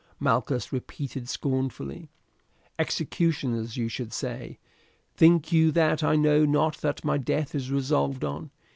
Malchus repeated scornfully, "executioners, you should say. Think you that I know not that my death is resolved on?